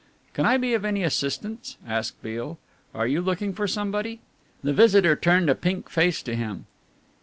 "Can I be of any assistance?" asked Beale. "Are you looking for somebody?" The visitor turned a pink face to him.